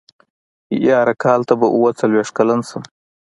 يره کال ته به اوه څلوېښت کلن شم.